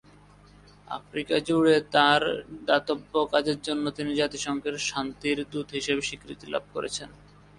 Africa জুড়ে তাঁর দাতব্য কাজের জন্য তিনি জাতিসংঘের শান্তির দূত হিসাবে স্বীকৃতি লাভ করেছেন।